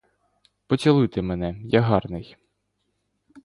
Поцілуйте мене, я гарний.